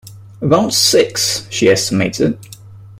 About six, she estimated.